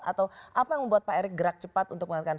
atau apa yang membuat pak erik gerak cepat untuk mengatakan